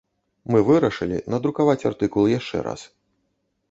Мы вырашылі надрукаваць артыкул яшчэ раз.